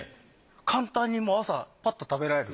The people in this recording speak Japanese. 簡単に朝パッと食べられる。